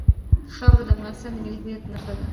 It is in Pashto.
خاوره د افغانستان د ملي هویت نښه ده.